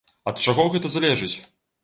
Ад чаго гэта залежыць?